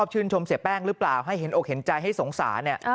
ชื่นชมเสียแป้งหรือเปล่าให้เห็นอกเห็นใจให้สงสาร